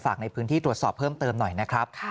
ในพื้นที่ตรวจสอบเพิ่มเติมหน่อยนะครับ